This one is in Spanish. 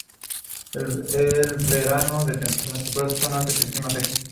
En verano las temperaturas son altas y el clima seco.